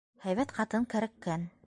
Һәйбәт ҡатын кәрәккән!